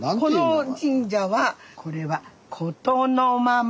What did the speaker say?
この神社はこれはスタジオことのまま！